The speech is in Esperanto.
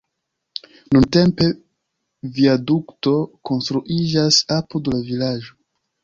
Nuntempe viadukto konstruiĝas apud la vilaĝo.